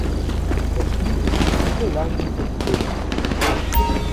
Der Stiel ist mittellang und dünn.